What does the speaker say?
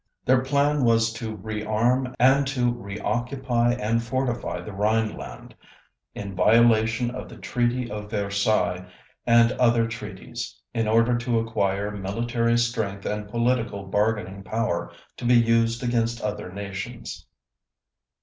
Their plan was to re arm and to re occupy and fortify the Rhineland, in violation of the Treaty of Versailles and other treaties, in order to acquire military strength and political bargaining power to be used against other nations.